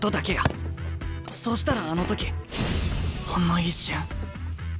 そうしたらあの時ほんの一瞬。